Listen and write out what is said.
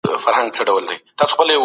د بل په رزق مه بخیلي کوئ.